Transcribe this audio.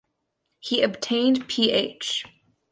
He obtained Ph.